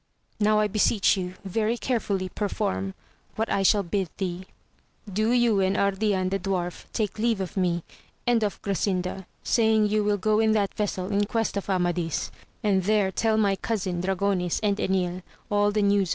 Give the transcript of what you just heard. Now I beseech you, very carefully perform what I shall bid thee. Do you and Ardian the Dwarf, take leave of me, and of Grasinda, saying you will go in that vessel, in quest of Amadis ; and there tell my cousin Dragonis, and Enil, all the news AMADIS OF GAUL.